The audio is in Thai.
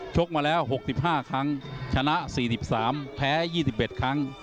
ชกมาแล้วหกสิบห้าครั้งชนะสี่สิบสามแพ้ยี่สิบเอ็ดครั้ง